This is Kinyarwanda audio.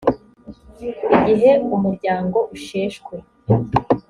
igihe umuryango usheshwe